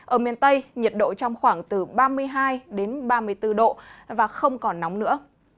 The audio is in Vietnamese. ở miền tây nhiệt độ trong khoảng từ ba mươi hai đến ba mươi bốn độ và không còn nóng nữa